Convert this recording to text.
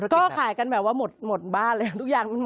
ก็ขายกันแบบว่าหมดบ้านเลยทุกอย่างมันหมด